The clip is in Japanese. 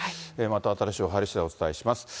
また新しい情報入りしだいお伝えします。